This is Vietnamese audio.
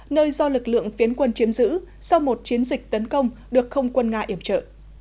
nơi do lực lượng phiến quân chiếm giữ sau một chiến dịch tấn công được không quân nga yểm trợ